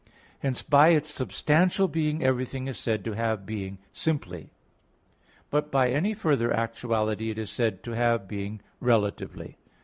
Hence by its substantial being, everything is said to have being simply; but by any further actuality it is said to have being relatively.